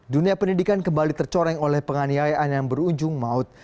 dunia pendidikan kembali tercoreng oleh penganiayaan yang berujung maut